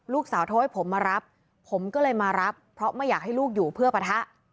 โทรให้ผมมารับผมก็เลยมารับเพราะไม่อยากให้ลูกอยู่เพื่อปะทะ